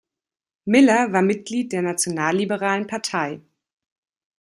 Miller war Mitglied der Nationalliberalen Partei.